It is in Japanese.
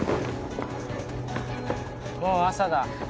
もう朝だ。